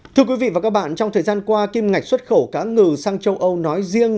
thưa quý vị và các bạn trong thời gian qua kim ngạch xuất khẩu cá ngừ sang châu âu nói riêng